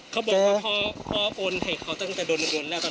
เขาบอกว่าคอโอนเหตุเขาตั้งแต่โดนดุลแล้วค่ะ